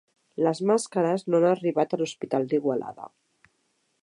Les màscares no han arribat a l'Hospital d'Igualada